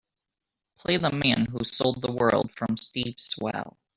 Play the man who sold the world from Steve Swell